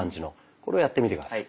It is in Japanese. これをやってみて下さい。